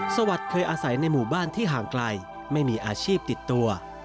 สวัสดิ์เคยอาศัยในหมู่บ้านที่ห่างไกลไม่มีอาชีพติดตัว